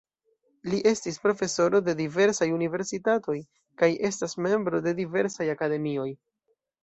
Li estis profesoro de diversaj universitatoj kaj estas membro de diversaj akademioj.